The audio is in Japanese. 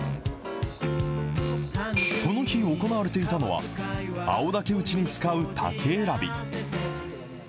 この日、行われていたのは、青竹打ちに使う竹選び。